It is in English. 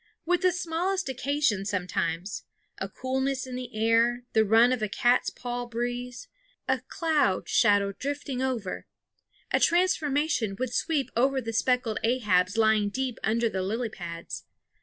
With the smallest occasion sometimes a coolness in the air, the run of a cat's paw breeze, a cloud shadow drifting over a transformation would sweep over the speckled Ahabs lying deep under the lily pads.